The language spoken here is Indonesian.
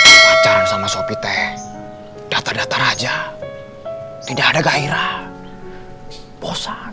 kepacaran sama sopi teh data data raja tidak ada gairah bosan